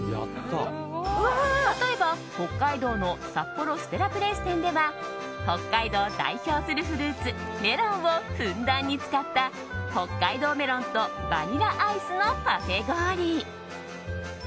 例えば、北海道の札幌ステラプレイス店では北海道を代表するフルーツメロンをふんだんに使った北海道メロンとバニラアイスのパフェ氷。